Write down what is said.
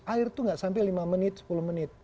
air itu nggak sampai lima menit sepuluh menit